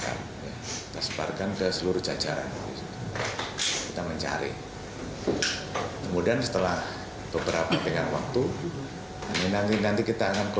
interpol selanjutnya kemudian kita akan mengajukan red notice